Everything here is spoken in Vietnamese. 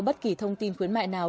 bất kỳ thông tin khuyến mại nào